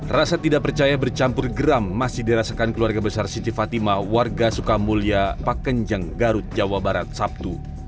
rasa tidak percaya bercampur geram masih dirasakan keluarga besar siti fatima warga sukamulya pak kenjang garut jawa barat sabtu